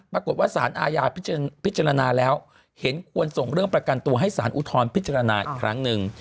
ปรากฏว่าสารอาญาพิจารณาแล้วเห็นควรส่งเรื่องประกันตัวให้สารอุทธรณ์พิจารณาอีกครั้งหนึ่ง